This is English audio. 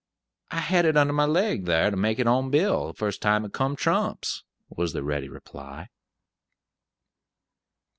"I had it under my leg, thar to make it on Bill, the first time it come trumps," was the ready reply.